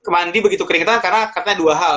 mandi begitu keringetan karena katanya dua hal